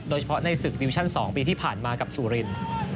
โดยเฉพาะในศึกที่๒ปีที่ผ่านมากับสุริน